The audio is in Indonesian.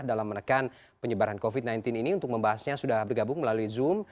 dalam menekan penyebaran covid sembilan belas ini untuk membahasnya sudah bergabung melalui zoom